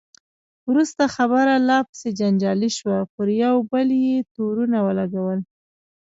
وروسته خبره لا پسې جنجالي شوه، پر یو بل یې تورونه ولګول.